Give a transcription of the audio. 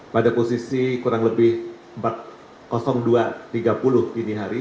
pada posisi kurang lebih dua tiga puluh dini hari